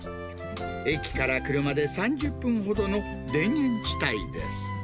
駅から車で３０分ほどの田園地帯です。